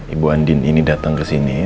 ibu andin ini datang ke sini